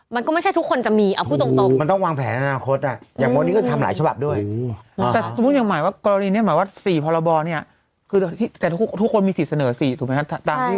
มันก็ไม่ใช่ทุกคนจะมีเอาคู่ตรง